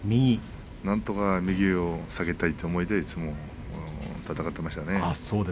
なんとか右を下げたいという思いでいつも戦っていましたね。